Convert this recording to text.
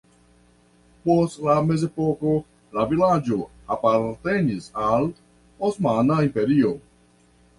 Post la mezepoko la vilaĝo apartenis al Osmana Imperio.